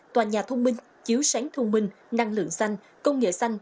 tòa nhà thông minh chiếu sáng thông minh năng lượng xanh công nghệ xanh